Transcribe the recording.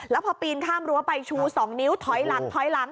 แล้วพอปีนข้ามรั้วไปชู๒นิ้วถอยหลัง